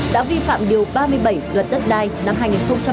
đã vi phạm điều ba mươi bảy luật đất đai năm hai nghìn ba